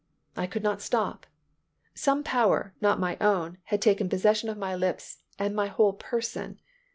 I could not stop. Some power, not my own, had taken possession of my lips and my whole person.